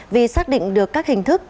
vì xác định được các hình thức